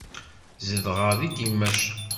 Zedɣeɣ deg Dimecq.